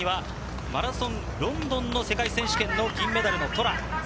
マラソン、ロンドンの世界選手権の銀メダルのトラ。